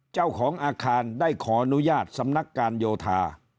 เจ้าของอาคารได้ขออนุญาตสำนักการโยธา